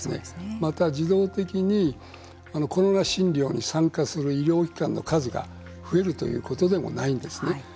また、自動的にコロナ診療に参加する医療機関の数が増えるということでもないんですね。